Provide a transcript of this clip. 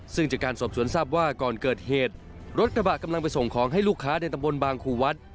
ซึ่งจากการสอบสวนทราบว่าก่อนเกิดเหตุรถกระบะกำลังไปส่งของให้ลูกค้าในตำบลบางขู่วัด